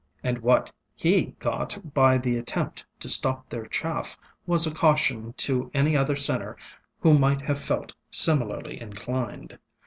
ŌĆØŌĆöand what he got by the attempt to stop their chaff was a caution to any other sinner who might have felt similarly inclined.